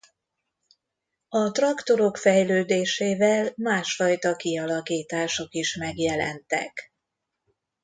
A traktorok fejlődésével másfajta kialakítások is megjelentek.